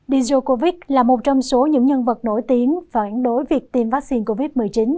dijo covid là một trong số những nhân vật nổi tiếng phản đối việc tiêm vaccine covid một mươi chín